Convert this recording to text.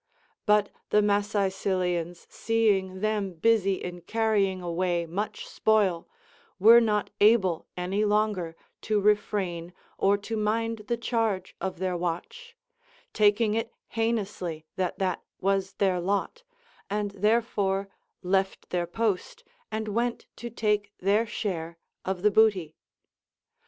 But the Masaesylians, seeing them busy in carrying away much spoil, were not able any longer to refrain or to mind the charge of their watch, takino; it heinouslv that that was their lot, and therefore left their post and went to take their share of the booty.